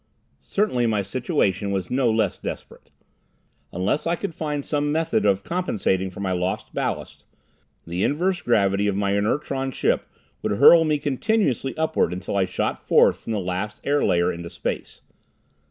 Certainly my situation was no less desperate. Unless I could find some method of compensating for my lost ballast, the inverse gravity of my inertron ship would hurl me continuously upward until I shot forth from the last air layer into space.